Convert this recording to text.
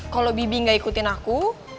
kalau bibi gak ikutin aku